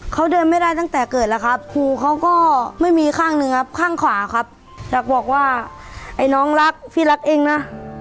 เขาเดินไม่ได้ตั้งแต่เกิดแล้วครับครูเขาก็ไม่มีข้างหนึ่งครับข้างขวาครับอยากบอกว่าไอ้น้องรักพี่รักเองนะ